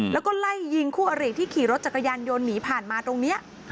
แล้วก็ไล่ยิงคู่อริที่ขี่รถจักรยานยนต์หนีผ่านมาตรงนี้